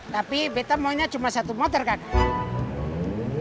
tapi betta maunya cuma satu motor kakak